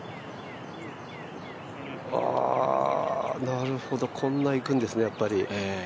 ああなるほどこんなにいくんですね、やっぱり。